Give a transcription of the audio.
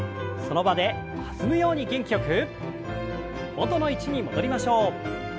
元の位置に戻りましょう。